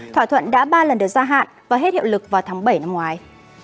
thỏa thuận đã ba lần được gia hạn và hết hiệu lực vào tháng bảy năm ngoái